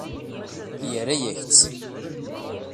Yerra-yak-tt.